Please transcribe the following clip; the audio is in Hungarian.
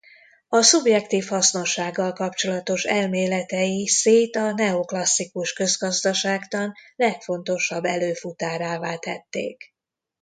A szubjektív hasznossággal kapcsolatos elméletei Sayt a neoklasszikus közgazdaságtan legfontosabb előfutárává tették.